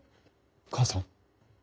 母さん。